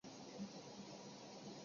你知不知道你这是在玩火